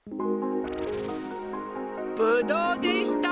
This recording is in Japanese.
ぶどうでした！